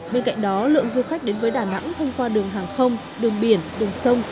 bên cạnh đó lượng du khách đến với đà nẵng thông qua đường hàng không đường biển đường sông